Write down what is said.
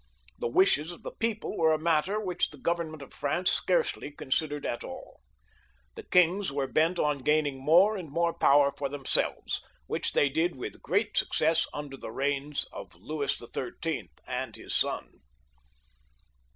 The wishes of the people were a matter which the Government of France scarcely considered at alL The kings were bent upon gaining more and more power for themselves, which they did with great success under the reigns of Louis XIII. and his son.